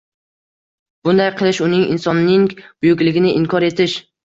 Bunday qilish uning – insonning buyukligini inkor etish